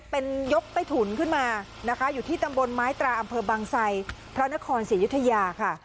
เป็นยกใต้ถุนขึ้นมานะคะอยู่ที่ตำบลไม้ตราอำเภอบางไซพระนครศรีอยุธยาค่ะ